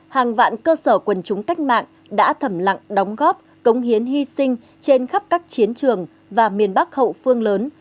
hàng vạn cơ sở quần chúng cách mạng đã thẩm lặng đóng góp cống hiến hy sinh trên khắp các chiến trường và miền bắc hậu phương lớn